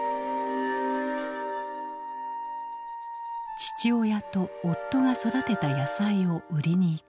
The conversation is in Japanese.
父親と夫が育てた野菜を売りに行く。